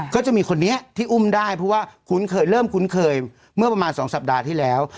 ก็จะมีคนนี้ที่อุ้มได้เพราะว่าคุ้นเคยเริ่มคุ้นเคยเมื่อประมาณ๒สัปดาห์ที่แล้ว